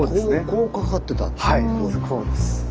こう架かってた。